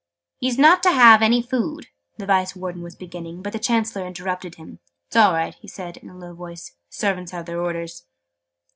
"He's not to have any food " the Vice warden was beginning, but the Chancellor interrupted him. "It's all right," he said, in a low voice: "the servants have their orders."